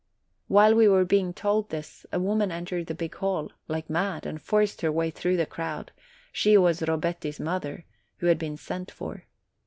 While we were being told this, a woman entered the big hall, like mad, and forced her way through the crowd: she was Robetti's mother, who had been sent for.